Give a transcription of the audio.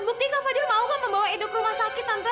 bukti kak fadil mau nggak membawa edo ke rumah sakit tante